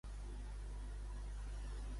Què no concep sobre Colau?